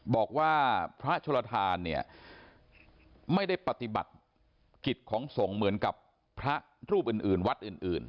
บอกว่าพระโชลทานเนี่ยไม่ได้ปฏิบัติกิจของสงฆ์เหมือนกับพระรูปอื่นวัดอื่น